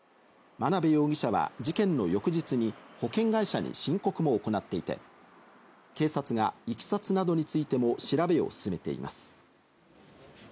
眞鍋容疑者は事件の翌日に保険会社に申告も行っていて、警察がいきさつなどについても調べを進めています。